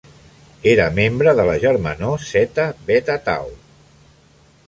Era membre de la germanor Zeta Beta Tau.